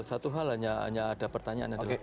satu hal hanya ada pertanyaan adalah